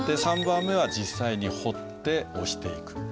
３番目は実際に彫って押していく。